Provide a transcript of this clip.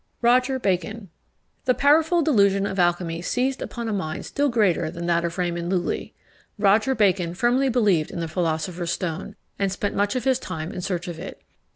ROGER BACON. The powerful delusion of alchymy seized upon a mind still greater than that of Raymond Lulli. Roger Bacon firmly believed in the philosopher's stone, and spent much of his time in search of it.